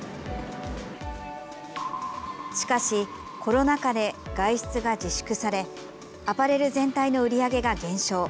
しかし、コロナ禍で外出が自粛されアパレル全体の売り上げが減少。